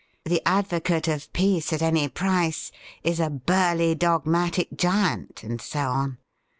The advocate of peace at any price is a burly, dogmatic giant — and so on.